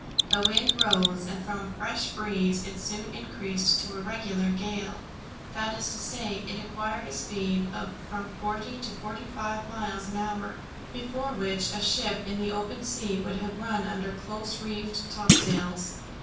The wind rose, and from a fresh breeze it soon increased to a regular gale; that is to say, it acquired a speed of from forty to forty five miles an hour, before which a ship in the open sea would have run under close reefed topsails.